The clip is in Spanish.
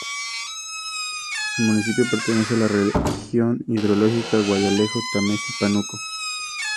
El municipio pertenece a la región hidrológica Guayalejo-Tamesí-Pánuco.